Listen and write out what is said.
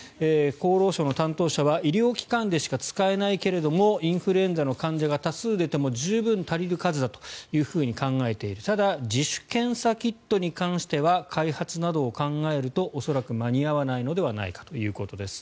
厚労省の担当者は医療機関でしか使えないけれどもインフルエンザの患者が多数出ても十分足りる数だと考えているただ自主検査キットに関しては開発などを考えると恐らく間に合わないのではないかということです。